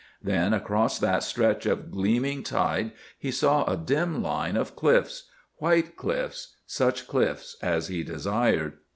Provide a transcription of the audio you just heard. Then across that stretch of gleaming tide he saw a dim line of cliffs—white cliffs, such cliffs as he desired.